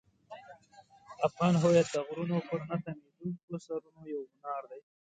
افغان هویت د غرونو پر نه تمېدونکو سرونو یو منار دی.